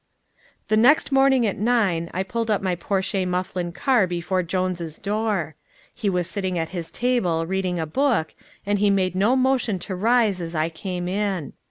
The next morning at nine I pulled up my Porcher Mufflin car before Jones' door. He was sitting at his table reading a book, and he made no motion to rise as I came in.